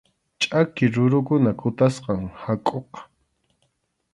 Ch’aki rurukuna kutasqam hakʼuqa.